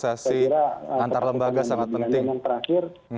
sehingga pertukaran yang diandalkan yang terakhir